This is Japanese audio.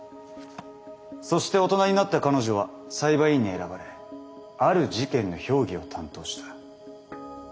そして大人になった彼女は裁判員に選ばれある事件の評議を担当した。